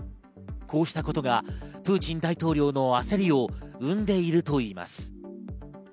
こうしたことがプーチン大統領の焦りを生んでいるといいます。